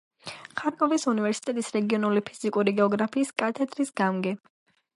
ხარკოვის უნივერსიტეტის რეგიონული ფიზიკური გეოგრაფიის კათედრის გამგე.